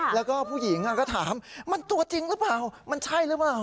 แล้วก็ผู้หญิงก็ถามมันตัวจริงหรือเปล่ามันใช่หรือเปล่า